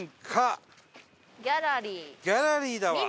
ギャラリーだわ。